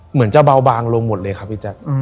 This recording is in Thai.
เหมือนจะเบาบางลงหมดเลยครับพี่แจ๊ค